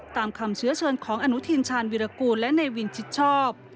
ตามคำเชื้อเชิญของอนุทินชาญวิรากูลและในวินชิดชอบ